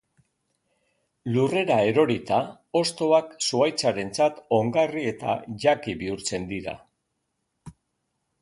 Lurrera erorita, hostoak zuhaitzarentzat ongarri eta jaki bihurtzen dira.